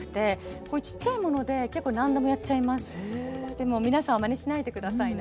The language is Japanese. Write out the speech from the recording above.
でも皆さんまねしないで下さいね。